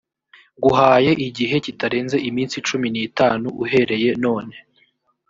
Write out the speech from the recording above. nguhaye igihe kitarenze iminsi cumi n itanu uhereye none